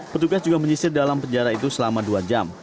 petugas juga menyisir dalam penjara itu selama dua jam